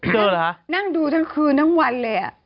เหรอฮะนั่งดูทั้งคืนทั้งวันเลยอ่ะ